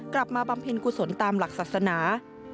กลับมาบำเพ็ญกุศลตามหลักศาสนา